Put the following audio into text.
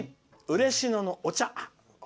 嬉野のお茶。